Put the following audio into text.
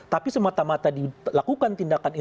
tapi semata mata dilakukan tindakan